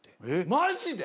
マジで？